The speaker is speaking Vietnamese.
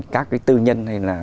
các cái tư nhân hay là